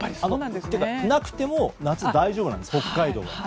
なくても夏が大丈夫なんです北海道は。